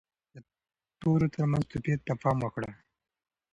د تورو ترمنځ توپیر ته پام وکړه.